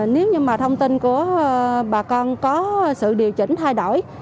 nếu như mà thông tin của bà con có sự điều chỉnh thay đổi